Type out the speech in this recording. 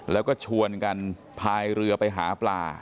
แล้วก็ชวนกันพายเรือไปหาปลา